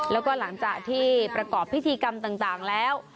แล้วก็หลังจากที่ประกอบพิธีกรรมต่างแล้ว